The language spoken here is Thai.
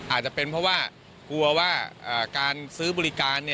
อาจจะเป็นเพราะว่ากลัวว่าการซื้อบริการ